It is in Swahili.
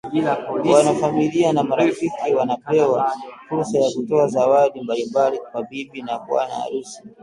Wana familia na marafiki wanapewa fursa ya kutoa zawadi mbalimbali kwa bibi na bwana harusi